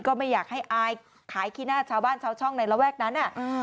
ก็ไม่อยากให้อายขายขี้หน้าชาวบ้านชาวช่องในระแวกนั้น